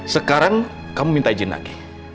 sekarang kamu minta izin lagi